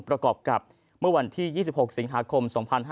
ประกอบกับเมื่อวันที่๒๖สิงหาคม๒๕๕๙